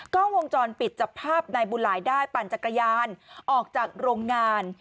กล้องวงจรปิดจับภาพนายบุญหลายได้ปั่นจักรยานออกจากโรงงาน